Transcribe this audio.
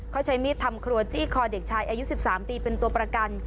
เขาใช้มีดทำครัวจี้คอเด็กชายอายุ๑๓ปีเป็นตัวประกัน